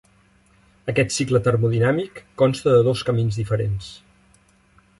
Aquest cicle termodinàmic consta de dos camins diferents.